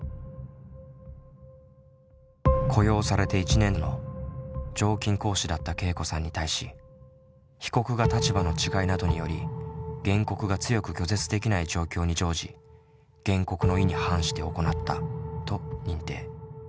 雇用されて１年の常勤講師だったけいこさんに対し被告が立場の違いなどにより原告が強く拒絶できない状況に乗じ原告の意に反して行ったと認定。